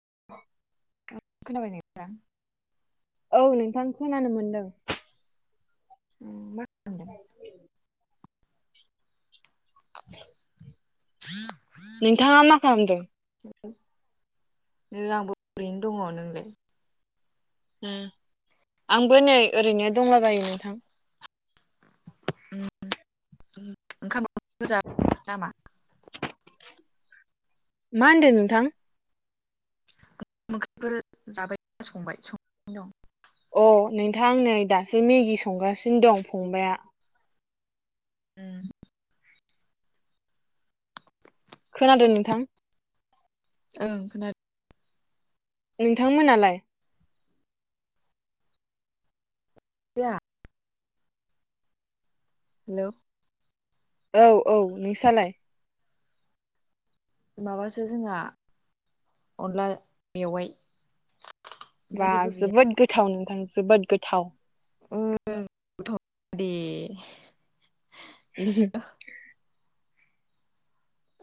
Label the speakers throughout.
Speaker 1: [inaudible]
Speaker 2: ओ खोनाबाय नोंथां?
Speaker 1: औ नोंथां खोनानो मोनदों।
Speaker 2: उ
Speaker 1: [inaudible] नोंथाङा मा खालामदों?
Speaker 2: [inaudible] हो ओ नो आंबो ओरैनो दङ नोंलाय?
Speaker 1: ओ आंबो नै ओरैनो दंलाबायो नोंथां।
Speaker 2: ओंखाम ओंख्रैखौ जाबाय नामा?
Speaker 1: मा होनदों नोंथां?
Speaker 2: ओंखाम ओंख्रिफोर जाबायना संबाय संना दं।
Speaker 1: अ नोंथां नै दासो मेगि संगासिनो दं फंबाइआ।
Speaker 2: ओ
Speaker 1: खोनादो नोंथां?
Speaker 2: ओं खोना
Speaker 1: नोंथांमोनालाय?
Speaker 2: [unintelligible] हेल'
Speaker 1: औ औ नोंसालाय।
Speaker 2: माबासो जोंहा अनला मेवाय।
Speaker 1: बा जोबोद गोथाव नोंथां जोबोद गोथाव।
Speaker 2: ओं गोथाव दे इसे।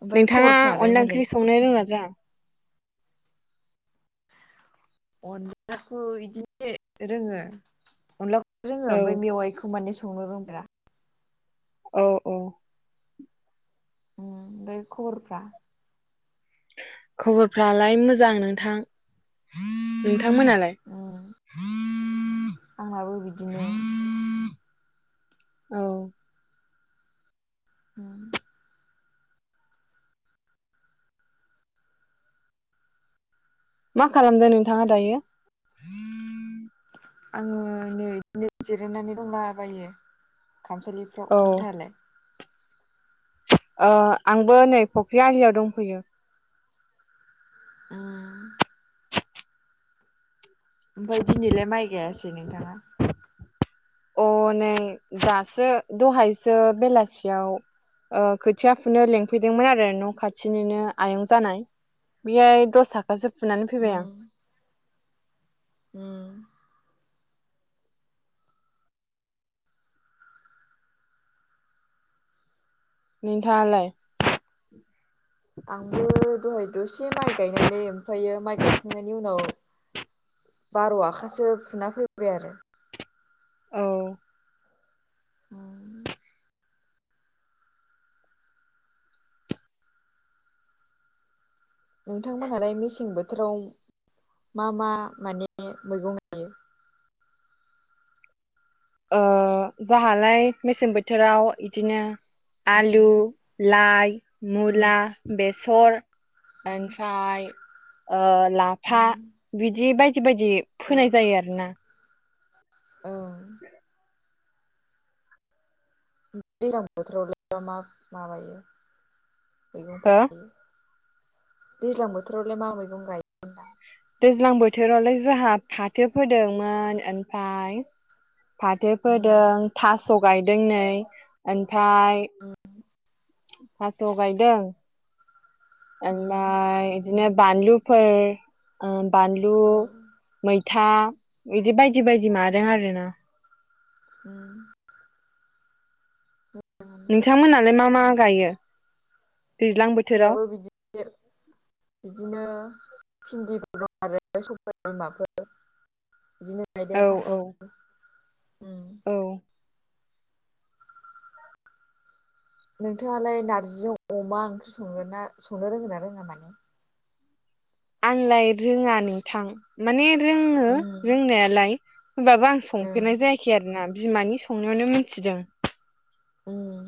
Speaker 2: ओमफ्राय
Speaker 1: नोंथाङा
Speaker 2: खबरफ्रालाय
Speaker 1: अनला
Speaker 2: मालाय
Speaker 1: ओंख्रि संनो रोङोना रोङा?
Speaker 2: अनलाखौ इदिनो रोङो अनला रोङो
Speaker 1: औ
Speaker 2: ओमफाय मेवाइखौ माने संनो रोंफेरा।
Speaker 1: औ औ।
Speaker 2: उम ओमफाय खबरफ्रा?
Speaker 1: खबरफ्रालाय मोजां नोंथां नोंथांमोनालाय?
Speaker 2: उम आंनाबो बिदिनो।
Speaker 1: औ।
Speaker 2: उम
Speaker 1: मा खालामदो नोंथाङा दायो?
Speaker 2: आङो नै इदिनो जिरायनानै दंलाबायो खामसालिफ्राव
Speaker 1: औ
Speaker 2: नोंथाङालाय?
Speaker 1: ओ आंबो नै फख्रि आलियाव दंफैयो।
Speaker 2: अ' ओमफाय दिनैलाय माइ गायासै नोंथाङा?
Speaker 1: अ' नै दासो दहायसो बेलासियाव ओ खोथिया फुनो लिंफैदोंमोन आरो न'खाथिनिनो आयं जानाय। बेहाय दस आखासो फुनानै फैबाय आं।
Speaker 2: उम उम
Speaker 1: नोंथाङालाय?
Speaker 2: आंबो दहाय दसे माइ गायनानै ओमफायो माइ गायखांनायनि उनाव बार' आखासो फुना फैबाय आरो।
Speaker 1: औ
Speaker 2: उम नोंथांमोनहालाय मेसें बोथोराव मा मा माने मैगं गायो?
Speaker 1: ओ जाहालाय मेसें बोथोराव इदिनो आलु लाय मुला बेसर ओमफाय ओ लाफा बिदि बायदि बायदि फोनाय आरोना।
Speaker 2: औ
Speaker 1: [inaudible]
Speaker 2: दैलां बोथोरावलाय मा माबायो मैगंफोर
Speaker 1: हो
Speaker 2: गायो दैज्लां बोथोरावलाय मा मैगं गायो होनदां?
Speaker 1: दैज्लां बोथोरावलाय जोंहा फाथो फोदोंमोन ओनफाय फाथो फोदों थास' गायदों नै ओनफाय थास' गायदों। ओनफाय इदिनो बानलुफोर ओ बानलु मैथा इदि बायदि बायदि माबादों आरोना।
Speaker 2: उम
Speaker 1: नोंथांमोनालाय मा मा गायो दैज्लां बो
Speaker 2: जोंनाबो बिदिनो। इदिनो भिन्दि मैगं आरो सबाइ बिमाफोर।
Speaker 1: औ
Speaker 2: [unintelligible]
Speaker 1: उम
Speaker 2: नोंथाङालाय नारजि अमा ओंख्रि संगोन ना संनो रोंङोन ना रोङा माने
Speaker 1: आंलाय रोङा नोंथां माने रोङो
Speaker 2: उम
Speaker 1: रोंनायालाय होमबाबो आं
Speaker 2: ओं
Speaker 1: संफेरनाय जायाखै आरोना बिमानि संनायावनो मिथिदों
Speaker 2: उम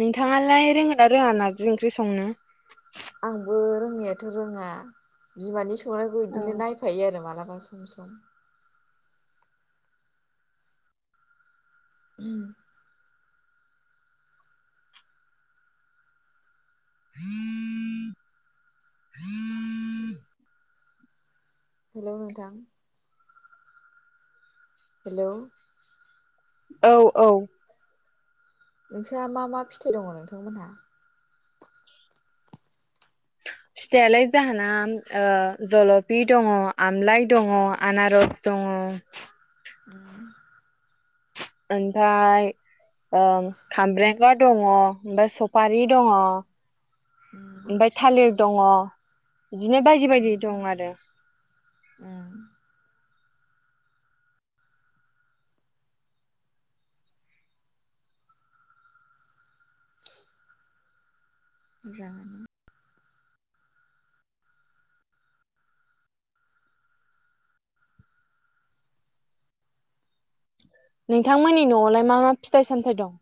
Speaker 1: नोंथाङालाय रोङो ना रोङा नारजि ओंख्रि संनो
Speaker 2: आंबो रोङनायाथ' रोङा बिमानि सं संनायखौ बिदिनो नायफायो आरो मालाबा सम सम [unintelligible]
Speaker 1: [unintelligible]
Speaker 2: हेल' नोंथां हेल'
Speaker 1: औ औ
Speaker 2: नोंसहा मा मा फिथाइ दङ नोंथांमोनहा [unintelligible]
Speaker 1: फिथालाय जाहोना ओ जलफि दङ आमलाइ दङ आनारस दङ
Speaker 2: [unintelligible]
Speaker 1: ओमफाय ओं खामब्रेंगा दङ ओमफ्राय सफारि दङ
Speaker 2: उम
Speaker 1: ओमफ्राय थालिर दङ बिदिनो बायदि बायदि
Speaker 2: उम
Speaker 1: दं आरो
Speaker 2: [unintelligible] मोजाङानो
Speaker 1: नोंथांमोननि न'आवलाय मा मा फिथाइ सामथाय दं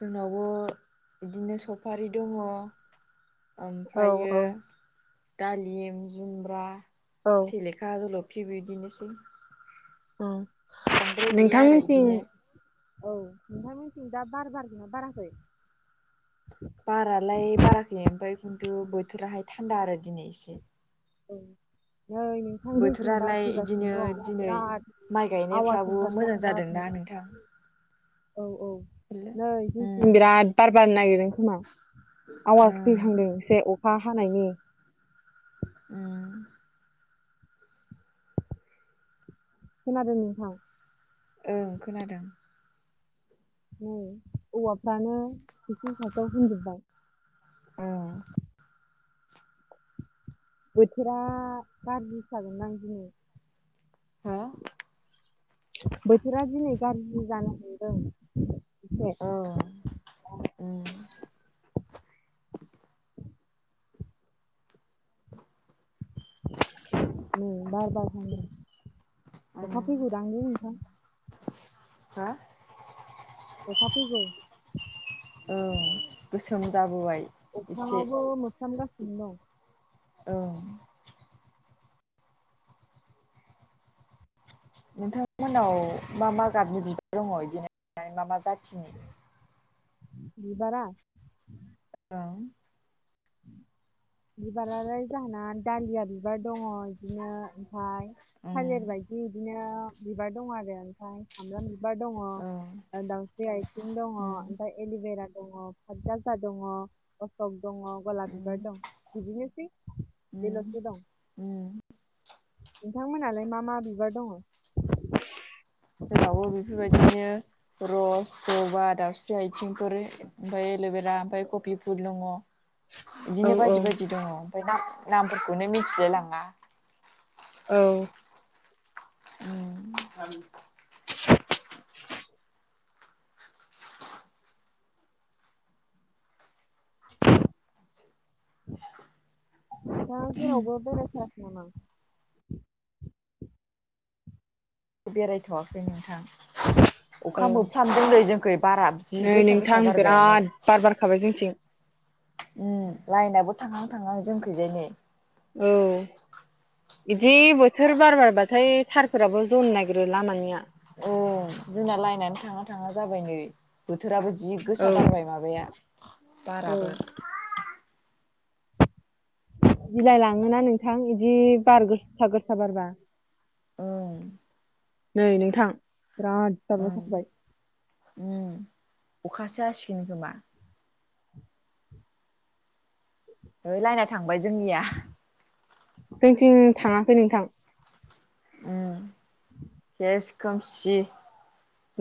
Speaker 2: जोंनावबो बिदिनो सफारि दङ।
Speaker 1: औ
Speaker 2: ओमफ्रायो
Speaker 1: औ
Speaker 2: दालिम जुमब्रा
Speaker 1: औ
Speaker 2: सेलेखा खा जलफि बिदिनोसै बांद्राय
Speaker 1: उम
Speaker 2: गैया
Speaker 1: नोंथां
Speaker 2: आरो
Speaker 1: मोनथिं
Speaker 2: बिदिनो
Speaker 1: औ नोंथांमोनथिं दा बार बारदोंना बाराखै
Speaker 2: बारालाय बाराखै ओमफ्राय खिन्थु बोथोराहाय थान्दा आरो दिनै एसे
Speaker 1: नै नोंथां जोंनिथिं बार
Speaker 2: बोथोरालाय इदिनो
Speaker 1: फैगासिनो दं
Speaker 2: दिनै
Speaker 1: बिराद
Speaker 2: माइ
Speaker 1: आवाज
Speaker 2: गायनायफ्राबो
Speaker 1: ओंखारदों
Speaker 2: मोजां
Speaker 1: बारनि
Speaker 2: जादोंना नोंथां
Speaker 1: औ औ
Speaker 2: हेलौ
Speaker 1: नै
Speaker 2: उम
Speaker 1: जोंनिथिं बिराद बार बारनो नागिरदों खोमा आवाज
Speaker 2: उम
Speaker 1: फैहांदों एसे अखा हानायनि
Speaker 2: उम
Speaker 1: खोनादों नोंथां
Speaker 2: ओं खोनादों
Speaker 1: नै औवाफ्रानो खिथिं खाथां होनजोबबाय
Speaker 2: ओं
Speaker 1: बोथोरा गार्रि जागोन दां दिनै
Speaker 2: हा
Speaker 1: बोथोरा दिनै गाज्रि जानो हमदों एसे
Speaker 2: ओं उम
Speaker 1: उ बार बारहांदों अखा फैबाय दांलै नोंथां
Speaker 2: हा
Speaker 1: अखा फैगौ
Speaker 2: औ गोसोम जाबोबाय एसे
Speaker 1: [unintelligible] औ
Speaker 2: औ नोंथांमोनाव मा मा गाबनि बिबार दङ' बिदिनो मा मा जाथिनि
Speaker 1: बिबारा
Speaker 2: [unintelligible]
Speaker 1: बिबारालाय जाहाना दालिया बिबार दङ' बिदिनो ओमफाय
Speaker 2: ओं
Speaker 1: थालिर बायदि बिदिनो बिबार दं आरो ओमफाय सामब्राम बिबार दङ'
Speaker 2: ओं
Speaker 1: दाउस्रि आथिं दङ'
Speaker 2: उम
Speaker 1: ओमफाय एलिभेरा दङ' पादगा दङ' अशक दङ' गलाब
Speaker 2: उम
Speaker 1: बिबार दं बिदिनोसै
Speaker 2: उम
Speaker 1: बेल'सो दं
Speaker 2: उम
Speaker 1: नोंथांमोननालाय मा मा बिबार दङ'
Speaker 2: जोंनावबो बेफोरबायदिनो रस जबा दावस्रि आथिंफोर ओमफाय एलभेरा ओमफाय कफि फुल दङ'
Speaker 1: औ
Speaker 2: बिदिनो
Speaker 1: औ
Speaker 2: बायदि बायदि दङ' ओमफाय नाम-नामफोरखौनो मिथिलाय लाङा
Speaker 1: औ
Speaker 2: उम
Speaker 1: नोंथाङा जेरावबो बेराय थाराखै नामा
Speaker 2: बेरायथ'वाखै नोंथां अखा
Speaker 1: औ
Speaker 2: मोफ्लामदों नै जोंखै बारा बिदि
Speaker 1: नै
Speaker 2: गोसा
Speaker 1: नोंथां
Speaker 2: गोसा बारबायानो
Speaker 1: बिराद बार बारखाबाय जोंथिं
Speaker 2: उम लाइनाबो थांहां थांहां जोंखैजानै।
Speaker 1: औ। इदि बोथोर बार बारबाथाय थारफोराबो जनो नागिरो लामानिया।
Speaker 2: ओम जोंना लायेनानो थाङा-थाङा जाबाय नै बोथोराबो जि।
Speaker 1: औ
Speaker 2: गोसा बारबाय माबाया
Speaker 1: औ
Speaker 2: बाराबो।
Speaker 1: बिलाय लाङोना नोंथां बिदि बार गोसा- गोसा बारबा।
Speaker 2: ओं
Speaker 1: नै नोंथां बिराद [unintelligible]
Speaker 2: ओं
Speaker 1: जाखाबाय।
Speaker 2: उम। अखासो हसिगोन खोमा। है लायेना थांबाय जोंनिया।
Speaker 1: जोंनिथिं थाङाखै नोंथां।
Speaker 2: उम सेस खोमसि।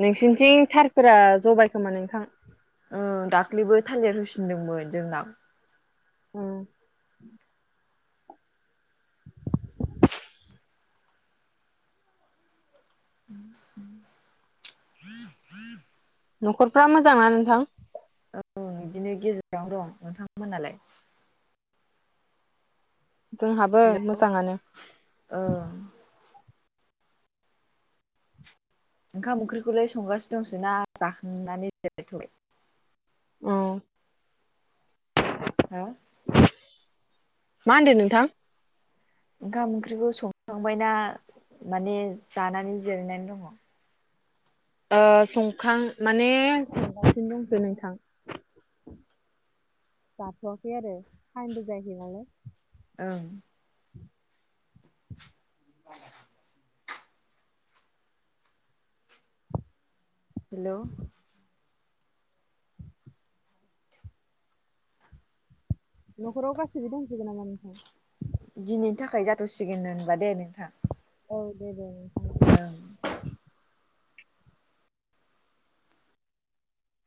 Speaker 1: नोंसिनिथिं थारफोरा जबाय खोमा नोंथां।
Speaker 2: ओ दाख्लैबो थालेर होसिनदोंमोन जोंनाव।
Speaker 1: उम।
Speaker 2: [unintelligible]
Speaker 1: न'खरफ्रा मोजां ना नोंथां।
Speaker 2: औ बिदिनो गेजेरावनो दं नोंथांमोनालाय।
Speaker 1: जोंहाबो मोजाङानो।
Speaker 2: ओम। ओंखाम ओंख्रिखौलाय संगासिनो दंसै ना जाखांनानै दिरायथ'बाय।
Speaker 1: औ।
Speaker 2: हो।
Speaker 1: मा होनदों नोंथां।
Speaker 2: ओंखाम ओंख्रिखौ संखांबायना माने जानानै जिरायनानै दङ।
Speaker 1: ओ संखां माने संगासिनो दंसो नोंथां। जाथ'आाखै आरो थाइमबो जायाखै नालाय।
Speaker 2: ओं। [unintelligible] हेलौ।
Speaker 1: न'खराव गासिबो दं। [unintelligible]
Speaker 2: दिनैनि थाखाय जाथ'सिगोन होनबा दे नोंथां।
Speaker 1: औ दे-दे नोंथां।
Speaker 2: ओं।